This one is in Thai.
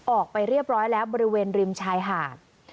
ออกไปเรียบร้อยแล้วบริเวณริมชายหาด